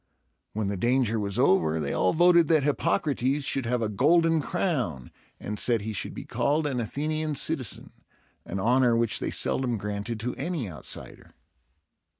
When the danger was over, they all voted that Hippocrates should have a golden crown, and said he should be called an Athenian citizen, an honor which they seldom granted to any outsider.